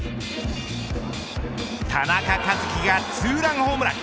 田中和基がツーランホームラン。